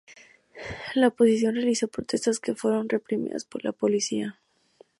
La oposición realizó protestas que fueron reprimidas por la policía.